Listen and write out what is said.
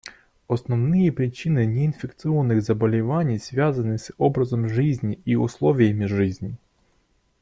Основные причины неинфекционных заболеваний связаны с образом жизни и условиями жизни.